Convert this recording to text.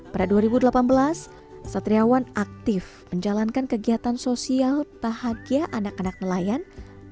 pada dua ribu delapan belas satriawan aktif menjalankan kegiatan sosial bahagia anak anak nelayan